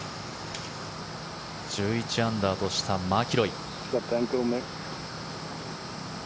１１アンダーとしたマキロイ。